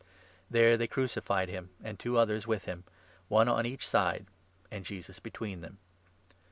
There they 18 crucified him, and two others with him — one on each side, and Jesus between them.